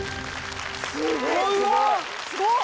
すごいわ・すごっ！